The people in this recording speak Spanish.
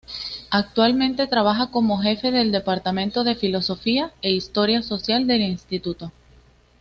Actualmente trabaja como jefe del Departamento de Filosofía e Historia Social del Instituto.